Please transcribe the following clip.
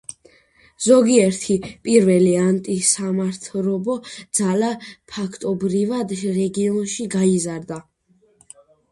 ზოგიერთი პირველი ანტისამთავრობო ძალა, ფაქტობრივად, რეგიონში გაიზარდა.